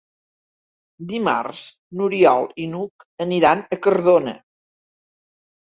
Dimarts n'Oriol i n'Hug aniran a Cardona.